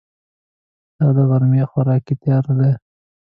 د تا دغرمې خوراک تیار ده